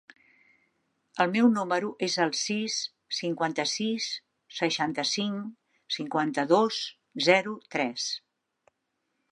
El meu número es el sis, cinquanta-sis, seixanta-cinc, cinquanta-dos, zero, tres.